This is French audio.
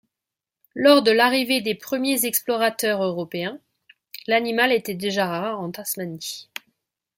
Lors de l’arrivée des premiers explorateurs européens, l’animal était déjà rare en Tasmanie.